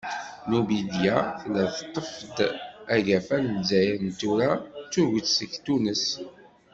Numidya tella teṭṭef-d agafa n Lezzayer n tura d tuget seg Tunes.